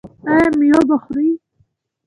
ایا میوه به خورئ؟